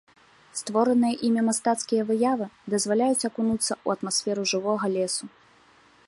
Створаныя імі мастацкія выявы дазваляюць акунуцца ў атмасферу жывога лесу.